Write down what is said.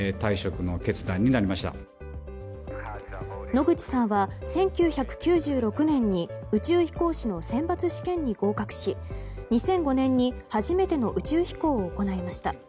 野口さんは１９９６年に宇宙飛行士の選抜試験に合格し２００５年に初めての宇宙飛行を行いました。